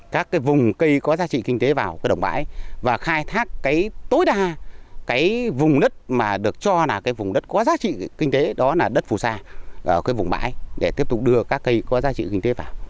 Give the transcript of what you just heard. các vùng cây có giá trị kinh tế vào đồng bãi và khai thác tối đa vùng đất mà được cho là vùng đất có giá trị kinh tế đó là đất phù sa vùng bãi để tiếp tục đưa các cây có giá trị kinh tế vào